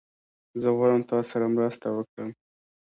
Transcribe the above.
زه غواړم تاسره مرسته وکړم